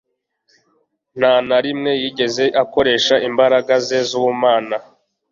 Nta na rimwe yigeze akoresha imbaraga ze z'ubumana